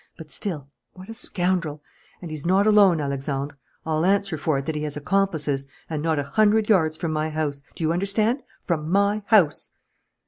But, still, what a scoundrel! And he's not alone, Alexandre. I'll answer for it that he has accomplices and not a hundred yards from my house do you understand? From my house."